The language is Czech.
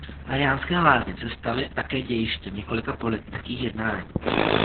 Mariánské Lázně se staly také dějištěm několika politických jednání.